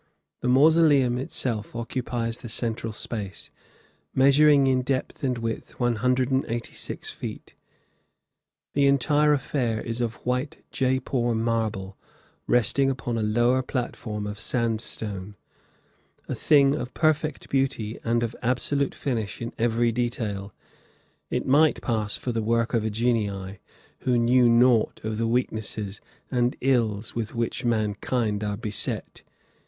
The mausoleum itself occupies the central space, measuring in depth and width 186 feet. The entire affair is of white Jeypore marble, resting upon a lower platform of sandstone: "A thing of perfect beauty and of absolute finish in every detail, it might pass for the work of a genii, who knew naught of the weaknesses and ills with which mankind are beset.